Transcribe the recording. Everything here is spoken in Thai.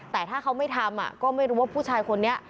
แต่ถ้าเขาไม่ทำก็ไม่รู้ว่าผู้ชายคนนี้